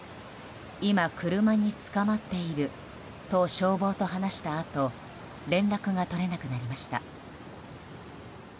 今、車につかまっていると消防と話したあと連絡が取れなくなりました。